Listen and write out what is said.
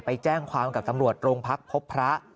ไปแจ้งความกับตำรวจโรงพักพบพระ